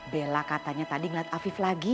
bella katanya tadi ngeliat afif lagi